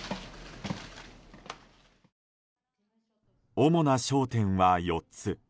主な焦点は４つ。